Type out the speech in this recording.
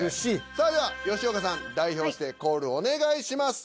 さあでは吉岡さん代表してコールお願いします。